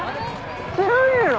知らねえの？